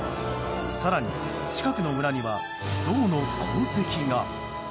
更に、近くの村にはゾウの痕跡が。